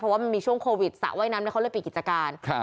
เพราะว่ามันมีช่วงโควิดสระว่ายน้ำเขาเลยปิดกิจการ